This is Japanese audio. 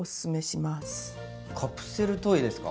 カプセルトイですか？